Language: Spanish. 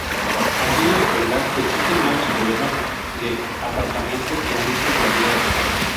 Así, en la actualidad, existen grandes problemas de aparcamiento en dichas barriadas.